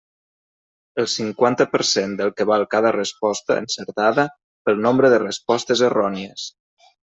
El cinquanta per cent del que val cada resposta encertada pel nombre de respostes errònies.